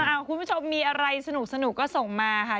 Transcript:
คุณผู้ชมมีอะไรสนุกก็ส่งมาค่ะ